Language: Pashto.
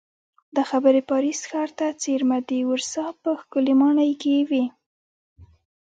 دا خبرې پاریس ښار ته څېرمه د ورسا په ښکلې ماڼۍ کې وې